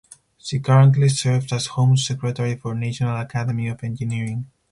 She currently serves as Home Secretary for National Academy of Engineering.